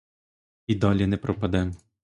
І далі не пропадем.